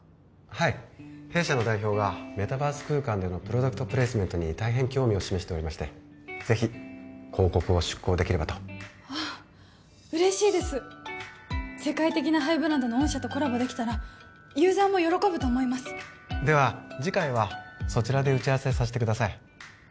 はい弊社の代表がメタバース空間でのプロダクトプレイスメントに大変興味を示しておりましてぜひ広告を出稿できればと嬉しいです世界的なハイブランドの御社とコラボできたらユーザーも喜ぶと思いますでは次回はそちらで打ち合わせさせてください